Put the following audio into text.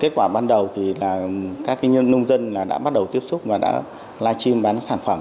kết quả ban đầu thì các nông dân đã bắt đầu tiếp xúc và đã live stream bán sản phẩm